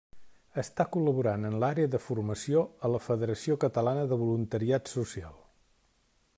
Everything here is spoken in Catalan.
Està col·laborant en l'àrea de formació a la Federació Catalana de Voluntariat Social.